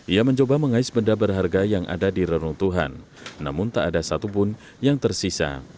ia mencoba mengais benda berharga yang ada di reruntuhan namun tak ada satupun yang tersisa